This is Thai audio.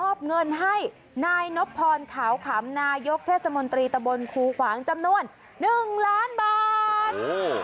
เงินให้นายนบพรขาวขำนายกเทศมนตรีตะบนครูขวางจำนวน๑ล้านบาท